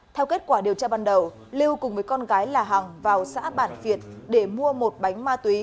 theo kết quả điều tra ban đầu lưu cùng với con gái là hằng vào xã bản việt để mua một bánh ma túy